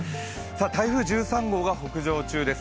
台風１３号が北上中です。